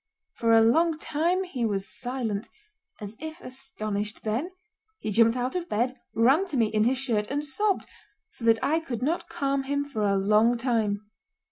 For a long time he was silent, as if astonished, then he jumped out of bed, ran to me in his shirt, and sobbed so that I could not calm him for a long time.